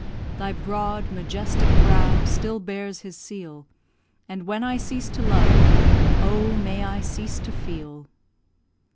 Thy broad, majestic brow still bears His seal; And when I cease to love, oh, may I cease to feel.